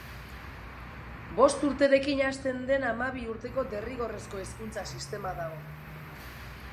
Bost urterekin hasten den hamabi urteko derrigorrezko hezkuntza sistema dago.